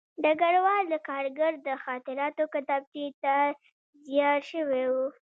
ډګروال د کارګر د خاطراتو کتابچې ته ځیر شوی و